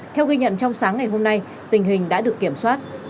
theo ghi nhận trong sáng ngày hôm nay tình hình đã được kiểm soát